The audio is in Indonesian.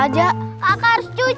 tunggu kita kasihin sedikit